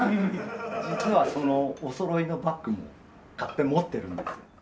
実はそのおそろいのバッグも買って持ってるんですよ。